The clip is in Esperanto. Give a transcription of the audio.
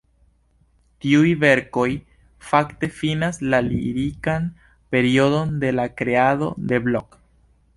Tiuj verkoj fakte finas la lirikan periodon de la kreado de Blok.